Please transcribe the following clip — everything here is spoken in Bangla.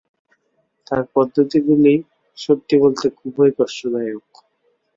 তার পদ্ধতিগুলো, সত্যি বলতে, খুবই কষ্টদায়ক।